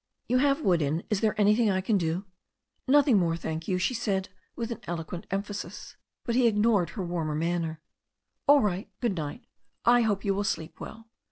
"You have wood in. Is there anything I can do?" "Nothing more, thank you," she said, with eloquent em phasis. But he ignored her warmer manner. "All right. Good night. I hope you will sleep well."